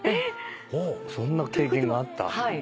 ・そんな経験があった？